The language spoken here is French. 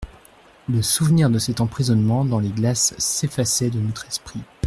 Le souvenir de cet emprisonnement dans les glaces s'effaçait de notre esprit.